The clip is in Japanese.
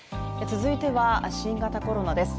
続いては新型コロナです。